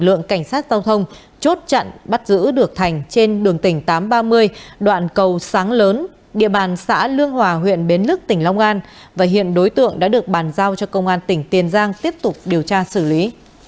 lực lượng cảnh sát giao thông chốt chặn bắt giữ được thành trên đường tỉnh tám trăm ba mươi đoạn cầu sáng lớn địa bàn xã lương hòa huyện bến lức tỉnh long an và hiện đối tượng đã được bàn giao cho công an tỉnh tiền giang tiếp tục điều tra xử lý